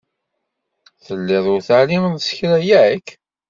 Telliḍ ur teɛlimeḍ s kra, yak?